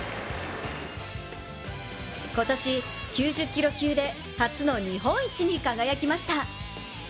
今年、９０キロ級で初の日本一に輝きました。